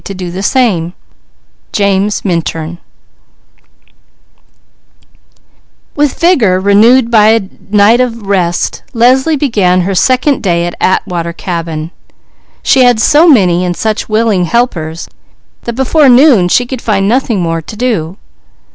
CHAPTER XII Feminine Reasoning With vigour renewed by a night of rest Leslie began her second day at Atwater Cabin. She had so many and such willing helpers that before noon she could find nothing more to do.